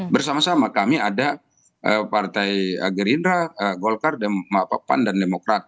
bersama sama kami ada partai gerindra golkar pan dan demokrat